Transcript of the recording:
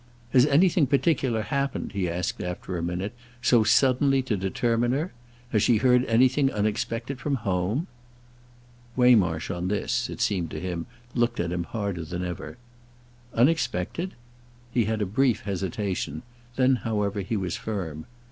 "Has anything particular happened," he asked after a minute—"so suddenly to determine her? Has she heard anything unexpected from home?" Waymarsh, on this, it seemed to him, looked at him harder than ever. "'Unexpected'?" He had a brief hesitation; then, however, he was firm.